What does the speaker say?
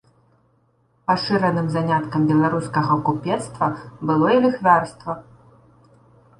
Пашыраным заняткам беларускага купецтва было і ліхвярства.